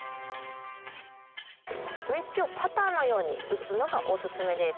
ウェッジをパターのように打つのがオススメです。